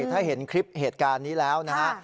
ถ้าเห็นคลิปเหตุการณ์นี้แล้วนะฮะ